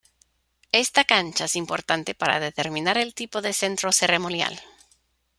Esta cancha es importante para determinar el tipo de centro ceremonial.